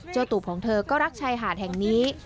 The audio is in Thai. ตูบของเธอก็รักชายหาดแห่งนี้